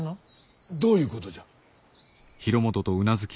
どういうことじゃ。